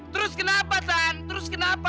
terus kenapa san terus kenapa